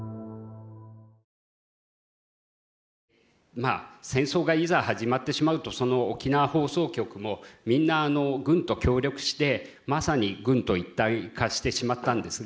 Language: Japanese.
まあ戦争がいざ始まってしまうとその沖縄放送局もみんな軍と協力してまさに軍と一体化してしまったんですが。